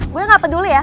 gue gak peduli ya